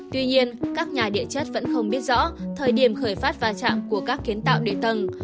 tuy nhiên các nhà địa chất vẫn không biết rõ thời điểm khởi phát va chạm của các kiến tạo địa tầng